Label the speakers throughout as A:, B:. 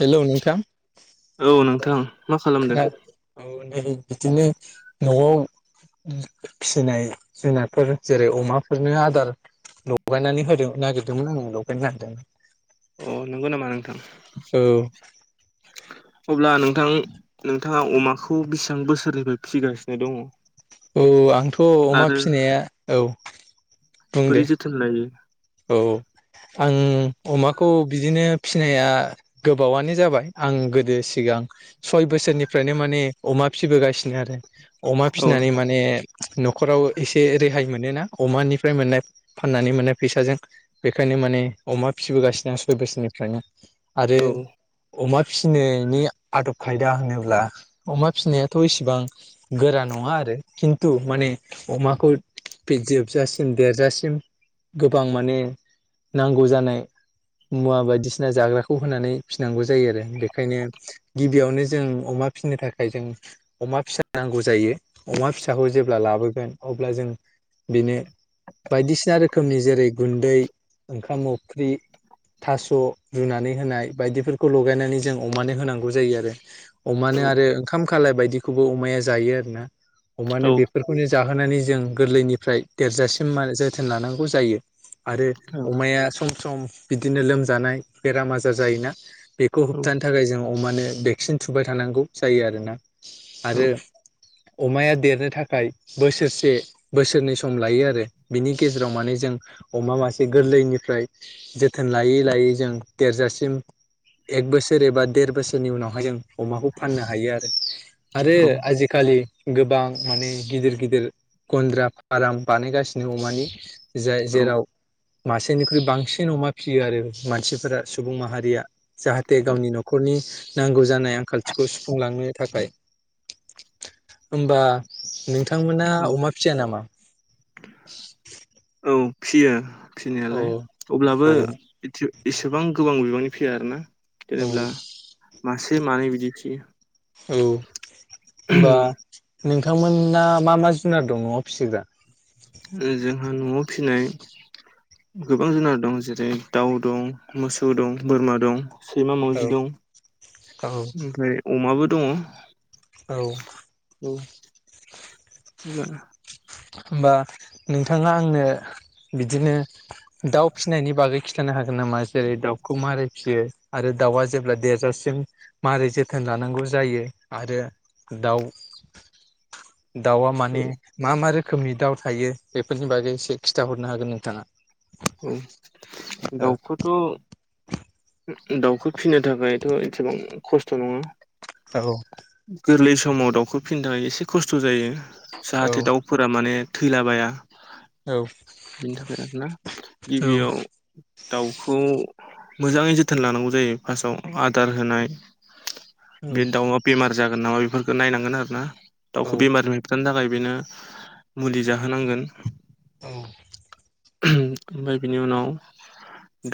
A: हेल' नोंथां
B: औ नोंथां मा खालामदों
A: खोना औ नै बिदिनो न'आव फिसिनाय जुनारफोर जेरै अमाफोरनो आदार लगायनानै होदों नागिरदोंमोन आं लगायना होदों।
B: अ नंगौ नामा नोंथां।
A: औ
B: अब्ला नोंथां नोंथाङा अमाखौ बेसेबां बोसोरनिफ्राय फिसिगासिनो दङ?
A: औ आंथ' अमा
B: आरो
A: फिसिनाया औ बुं
B: बोरै
A: दे
B: जोथोन लायो?
A: औ आं अमाखौ बिदिनो फिनाया गोबावानो जाबाय आं गोदो सिगां सय बोसोरनिफ्रायनो माने अमा फिबोगासिनो आरो अमा
B: औ
A: फिनानै
B: नोंथां
A: माने नखराव एसे रेहाय मोनोना अमानिफ्राय मोननाय फाननानै मोननाय फैसाजों बेखायनो माने अमा फिसिगासिनो आं सय बोसोरनिफ्रायनो आरो
B: औ
A: अमा फिनोनायनि आदब खायदा होनोब्ला अमा फिसिनायाथ इसिबां गोरा नङा आरो खिन्थु माने अमाखौ फि जोबजासिम देरजासिम गोबां माने नांगौ जानाय मुवा बायदिसिना जाग्राखौ होनानै फिनांगौ जायो आरो बेखायनो गिबियावनो जों अमा फिनो थाखाय जों अमा फिसा नांगौ जायो अमा फिसाखौ जेब्ला लाबोगोन अब्ला जों बिनो बायदिसिना रोखोमनि जेरै गुन्दै ओंखाम अफ्रि थास रुनानै होनाय बायदिफोरखौ लगायनानै जों अमानो होनांगौ जायो आरो
B: औ
A: अमानो आरो ओंखाम खालाय बायदिखौबो अमाया जायो आरो ना
B: औ
A: अमानो बेफोर खौनो जाहोनानै जों गोरलैनिफ्राय देरजासिम मा जोथोन लानांगौ जायो आरो अमाया सम सम बिदिनो लोमजानाय बेराम आजार जायोना बे खौ
B: औ
A: होबथानो थाखाय जों अमानो भेक्सिन थुबाय थानांगौ जायो आरोना आरो अमाया देरनो थाखाय बोसोरसे बोसोरनै सम लायो आरो बिनि गे जेराव माने जों अमा मासे गोरलैनिफ्राय जोथोन लायै लायै जों देरजासिम एक बोसोर एबा देर बोसोरनि उनावहाय जों अमाखौ फाननो हायो आरो आरो आजि खालि गोबां माने गिदिर गिदिर गन्द्रा फाराम बानायगासिनो अमानि जाय जेराव
B: औ
A: मासेनिख्रुइ बांसिन अमा फिसियो आरो मानसिफोरा सुबुं माहारिया जाहाथे गावनि
B: औ
A: नख खरनि नांगौ जानाय आंखालथिखौ सुफुंलांनो थाखाय होमबा नोंथांमोना
B: औ
A: अमा फिया नामा?
B: औ फियो
A: औ
B: फिनायालाय अब्लाबो
A: औ
B: [unintelligible] एसेबां गोबां बिबांनि फिया आरोना
A: औ
B: जेनेब्ला मासे मानै बिदि
A: औ होमबा नोंथांमोना मा मा जुनार दं न आव फिसिग्रा?
B: जोंहा नआव फिनाय गोबां जुनार दं जेरै दाउ दं मोसौ दं बोरमा दं। सैमा
A: औ
B: मावाजि दं, ओमफ्राय अमाबो दङ।
A: औ
B: औ अब्ला
A: होम बा नोंथाङा आंनो बिदिनो दाउ फिसिनायनि बागै खिथानो हागोन नामा जेरै दाउखौ मारै फियो आरो दाउआ जेब्ला देरजाबसिम मारै जोथोन लानांगौ जायो आरो दाउ
B: [inaudible]
A: दाउ आ
B: औ
A: माने मा मा रो खोमनि दाउ थायो बेफोरनि बागै एसे खिथाहरनो हागोन नोंथाङा
B: [unintelligible]
A: औ
B: दाउ थ दाउखौ फिनो थाखायथ एथिबां खस्थ नङा
A: औ
B: गोरलै समाव दाउखौ फिननो एसे खस्थ जायो
A: औ
B: जाहाथे दाउ फोरा माने थैलाबाया।
A: औ
B: बिनि थाखाय आरोना
A: औ
B: गिबियाव दाउखौ। मोजाङै जोथोन लानांगौ जायो फार्स्टआव आदार होनाय बे दाउआ बेमार जागोन नामा बेफोरखौ नायनांगोन आरो ना।
A: औ
B: दाउखौ बेमारनिफाय होबथानो थाखाय बेनो मुलि जाहोनांगोन
A: औ
B: ओमफ्राय बिनि उनाव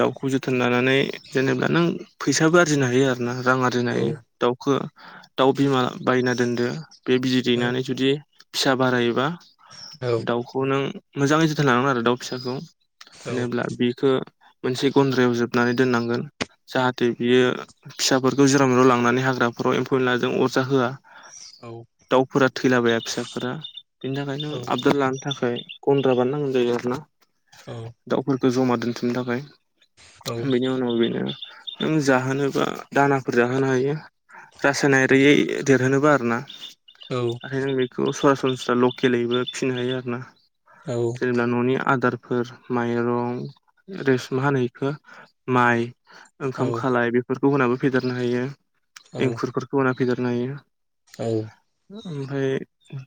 B: दाउखो जोथोन लानानै जेनेबा नों फैसाबो आरजिनो हायो आरो। ना रां आरजिनो
A: औ
B: हायो दाउखो- दाउ बिमा बायना दोनदो। बे बिदै
A: औ
B: दैनानै जुदि फिसा बारायोबा
A: औ
B: दाउखौ नों। मोजाङै जोथोन लानांगोन आरो दाउ फिसाखौ
A: औ-औ-औ-औ-औ-औ-औ-औ-औ-औ
B: जेनेब्ला बिखो। मोनसे गन्द्रायाव जोबनानै दोननांगोन। जाहाथे बियो फिसाफोरखौ जेराव मेराव लांनानै हाग्राफोराव एम्फौ एनलाजों अरजा होआ
A: औ।
B: दाउफोरा थैलाबाया फिसाफोरा बिनि थाखायनो आबदाल लानो थाखाय गन्द्रा बानाय नांगौ जायो आरोना।
A: औ।
B: दाउफोरखौ जमा दोनथुमनो थाखाय बेनि उनाव बेनो। नों जाहोनोबा दानाफोर जाहोनो हायो रासायनारियै देरहोनोबा आरोना ओंखायनो बेखौ सरासनस्रा लकेलैबो फिनो हायो आरो ना
A: औ
B: जोंना न'निया आदारफोर माइरं माइ ओंखाम खालाय बेफोरखौ होनाबो फेदेरनो हायो एंखुरफोरखौ होना फेदेरनो हायो।
A: औ।
B: ओमफाय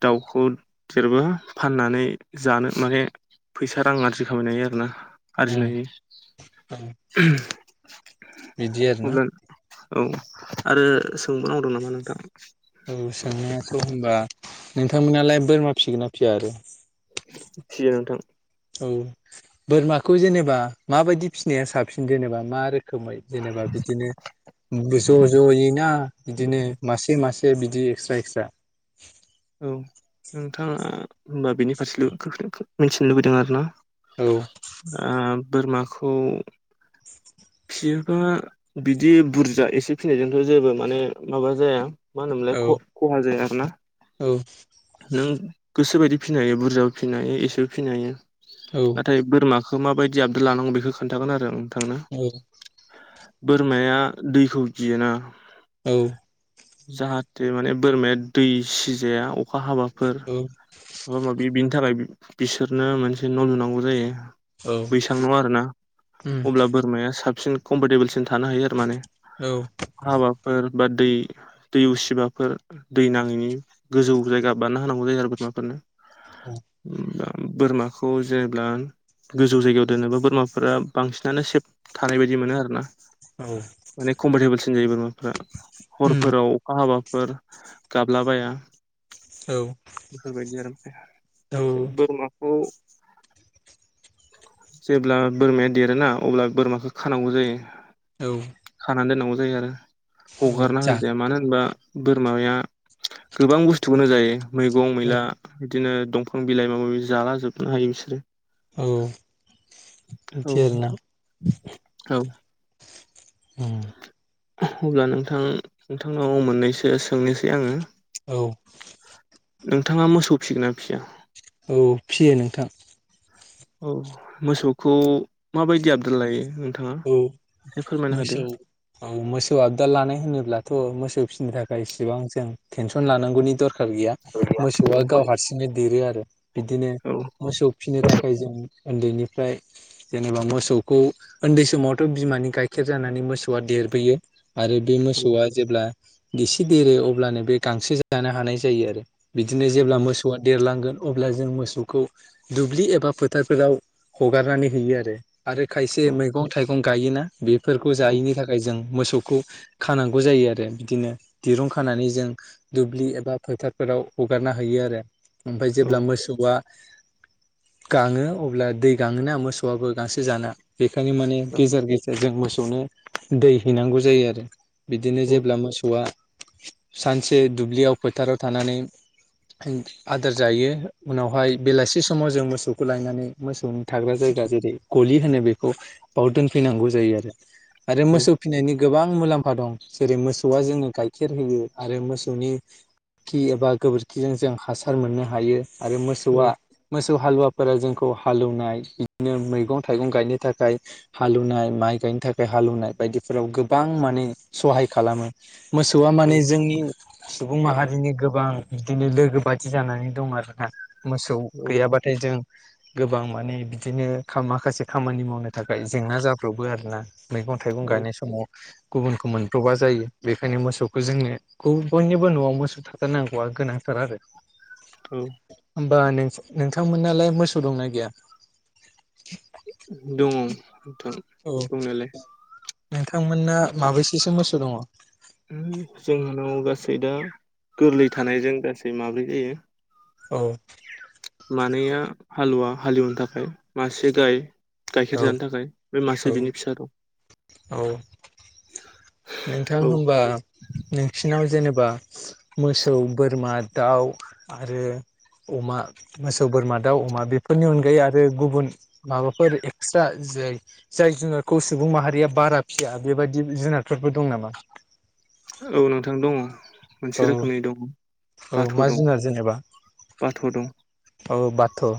B: दाउखौ देरबा फाननानै जानो माने। फैसा-रां आरजि खामायनो हायो आरोना आरजिनायनि।
A: बिदि आरोना
B: औ आरो सोंबाव नांगौ दं नामा नोंथां?
A: औ सोंनायाथ' होनबा नोंथांमोनालाय बोरमा फिगोन ना फिया आरो?
B: फियो नोंथां।
A: औ बोरमाखौ जेनेबा माबायदि फिसिनाया साबसिन जेनेबा मा रोखोम? खोमै जेनेबा बिदिनो। ज' ज'यैना बिदिनो मासे मासे बिदि एक्सट्रा एक्सट्रा
B: औ नोंथाङा होमबा बेनि फारसेल' मिथिनो लुबैदों आरोना।
A: औ
B: आ बोरमाखौ। फिसियोबा बिदि बुरजा एसे फिसिनायजोंथ' जेबो माने माबा जाया मा होनोमोनलाय?
A: औ
B: ख-खहा जाया आरोना।
A: औ
B: नों गोसोबायदि फिनो हायो बुरजाबो फिसिनो हायो, एसेबो फिनो हायो।
A: औ।
B: नाथाय बोरमाखौ माबायदि आबदाल लानांगौ बेखौ खोन्थागोन आरो आं नोंथांनो
A: औ
B: बोरमाया दैखौ गियोना।
A: औ
B: जाहाथे माने बोरमाया दै सिजाया अखा हाबाफोर
A: औ उम
B: माबा-माबि बिनि थाखाय बिसोरनो मोनसे न' लुनांगौ जायो।
A: औ
B: बैसां न' आरोना
A: उम
B: अब्ला बोरमाया साबसिन कम्फरटेबोलसिन लानो हायो आरो माने। हाबाफोर बा दै दै उसिबाफोर दै नाङैनि गोजौ जायगा बानना होनांगौ जायो आरो बोरमाफोरनो।
A: औ
B: बोरमाखौ जेब्ला गोजौ जायगायाव दोनोबा बोरमाफोरा बांसिनानो सेब थानाय बायदि मोनो आरोना।
A: औ
B: माने कम्फर्टेबोलसिन जायो बोरमाफोरा हरफोराव अखा हाबाफोर गाबलाबाया।
A: औ
B: बेफोरबायदि आरोना ओमफ्राय
A: औ
B: बोरमाखौ जेब्ला बोरमाया देरोना अब्ला बोरमाखौ खानांगौ जायो।
A: औ
B: खाना दोननांगौ जायो आरो
A: औ
B: हगारना
A: जाहा
B: होजाया मानो होनबा बोरमाया गोबां बुस्थुखोनो जायो मैगं
A: औ
B: मैला बिदिनो दंफां बिलाइ माबा माबि जाला जोबनो हायो बिसोरो।
A: औ
B: औ
A: बिदि आरोना
B: नोंथां औ।
A: [unintelligible]
B: अब्ला नोंथां नोंथांनाव मोननैसो सोंनोसै आङो।
A: औ
B: नोंथाङा मोसौ फिसिगोन ना फिसिया?
A: औ फिसियो नोंथां।
B: औ मोसौखौ माबायदि आबदा लायो? नोंथाङा
A: औ
B: एसे फोरमायना होदो
A: मोसौ औ मोसौ आबदा लानाय होनोब्लाथ' मोसौ फिसिनो थाखाय इसिबां जों टेनसन लानांगौनि दर खार गैया मोसौआ गाव
B: औ
A: हारसिंनो देरो आरो बिदिनो
B: औ
A: मोसौ फिसिनो थाखाय जों उन्दैनिफ्राय जेनेबा मोसौखौ उन्दै समावथ' बिमानि गाइखेर जानानै मोसौआ देरबोयो आरो बे
B: औ
A: मोसौआ जेब्ला एसे देरो अब्लानो बे गांसो जानो हानाय जायो आरो बिदिनो जेब्ला
B: औ
A: मोसौ मोसौआ देरलांगोन अब्ला जों मोसौखौ दुब्लि एबा फोथारफोराव हगारनानै होयो आरो। आरो खायसे
B: औ
A: मैगं थाइगं गायोना बेफोरखौ
B: औ
A: जायिनि थाखाय जों मोसौ खौ खानांगौ जायो आरो बिदिनो दिरुं खानानै जों दुब्लि एबा फोथारफोराव हगारना होयो आरो ओमफ्राय जेब्ला मोसौ मोसौआ गाङो अब्ला दै गाङोना मोसौआबो गांसो जाना बेखायनो माने
B: औ
A: गेजेर गेजेर जों मोसौनो दै हैनांगौ जायो आरो। बिदिनो जेब्ला मोसौआ सानसे दुब्लियाव फोथाराव थानानै [unintelligible] आदार जायो उनावहाय बेलासि समाव जों मोसौखौ लायनानै मोसौनि थाग्रा जायगा जेरै गलि होनो बेखौ बाव दोनफैनांगौ जायो आरो। आरो मोसौ फिनायनि गोबां मुलाम्फा दं जेरै मोसौआ जोंनो गाइखेर होयो आरो मोसौनि खि एबा गोबोरखिजों जों हासार मोननो हायो। आरो
B: औ
A: मोसौआ मोसौ हालुवाफोरा जोंखौ हालेवनाय बिदिनो मैगं थाइगं गायनो थाखाय थाखाय हालेवनाय माइ गायनो थाखाय हालेवनाय बायदिफोराव गोबां माने सहाय खालामो। मोसौआ माने जोंनि सुबुं माहारिनि गोबां बिदिनो लोगो बादि जानानै दं आरोना। मोसौ
B: औ
A: गैयाबाथाय जों गोबां माने बिदिनो खामा माखासे खामानि मावनो थाखाय जेंना जाब्रबबो आरोना मैगं थाइगं
B: औ
A: गायनाय समाव गुबुनखौ मोनब्र'बा जायो बेखायनो मोसौखौ जोंनो गु बयनिबो न'आव मोसौ थाथारनांगौआ गोनांथार आरो।
B: [unintelligible]
A: होमबा नोंथांमोनालाय मोसौ दंना गैया?
B: दङ'।
A: औ
B: दंनायालाय
A: नोंथांमोनना माबैसेसो मोसौ दङ'?
B: जोंहानाव गासै दा गोरलै थानायजों गासै माब्रै जायो।
A: औ
B: मानैया हालुवा हालेवनो थाखाय मासे गाय। गाइखेर
A: औ
B: जानो थाखाय बे मासे
A: औ
B: बिनि फिसा दं।
A: औ
B: [inaudible]
A: नोंथां
B: औ
A: होमबा नोंसिनाव जेनेबा मोसौ बोरमा दाउ आरो अमा मोसौ बोरमा दाउ अमा बेफोरनि अनगायै आरो गुबुन माबाफोर एक्सट्रा जाय जाय जुनारखौ सुबुं माहारिया बारा फिसिया बेबायदि जुनार फोरबो दं नामा?
B: औ नोंथां दङ'
A: औ
B: मोनसे रोखोमनि दङ'।
A: औ
B: बाथ'
A: मा
B: दं
A: जुनार जेनेबा
B: बाथ' दं
A: औ बाथ'।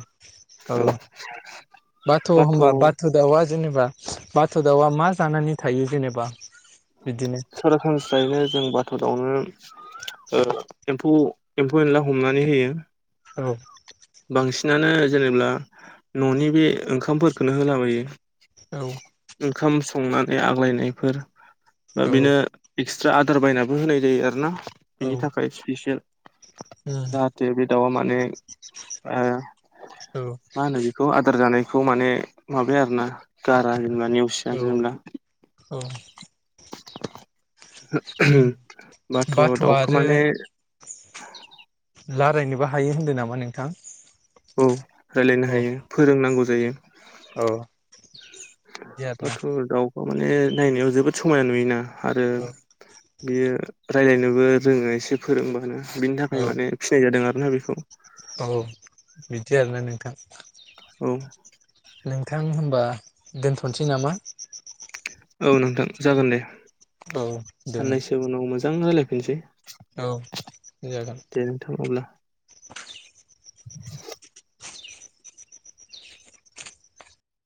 B: औ [inaudible]
A: बाथ' होमबा बाथ दाउआ जेनेबा बाथ' दाउआ मा जानानै थायो जेनेबा बिदिनो
B: सरासनस्रायैनो जों बाथौ दावनो औ एम्फौ एम्फौ एनला हमनानै होयो।
A: औ
B: बांसिनानो जेनेबा न'नि बे ओंखामफोरखौनो होलाबायो।
A: औ
B: ओंखाम संनानै आग्लायनायफोर। बा
A: औ
B: बेनो एक्सट्रा आदार बायनाबो होनाय जायो आरोना बेनि थाखाय स्पिसियेल।
A: उम
B: जाहाथे बे दाउआ माने ओ
A: औ
B: मा होनो बेखौ आदार जानायखौ माने माबाया आरो ना गारा जेनेबा ने
A: औ औ उम बाथ'
B: दाउखौ
A: आरो
B: माने
A: लारायनोबो हायो होन्दों नामा नोंथां।
B: औ रायलायनो
A: औ
B: हायो फोरोंनांगौ जायो।
A: औ
B: [unintelligible]
A: बिदि आरोना
B: बाथर दाउ माने नायनायाव जोबोद समायाना नुयोना आरो
A: औ
B: बियो राय्लायनोबो रोङो एसे फोरोंबानो बिनि थाखाय
A: औ
B: माने फिसिनाय जादों आरोना बेखौ।
A: औ बिदि आरोना नोंथां।
B: औ
A: नोंथां होनबा दोनथ'नोसै नामा।
B: औ नोंथां जागोन दे
A: औ दे नोंथां
B: साननैसो उनाव मोजां रायज्लायफिनसै।
A: औ जागोन।
B: दे नोंथां अब्ला